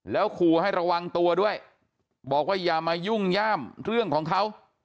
แล้วขู่ให้ระวังตัวด้วยบอกว่าอย่ามายุ่งย่ามเรื่องของเขา